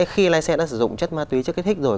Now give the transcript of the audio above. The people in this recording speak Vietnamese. khi lái xe đã sử dụng chất ma túy chất kích thích rồi